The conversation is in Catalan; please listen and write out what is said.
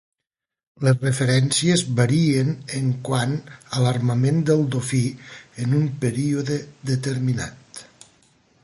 Les referències varien en quant a l'armament del "Dofí" en un període determinat.